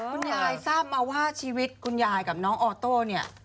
คุณยายทราบมาว่าชีวิตคุณยายกับน้องออโต้เนี่ย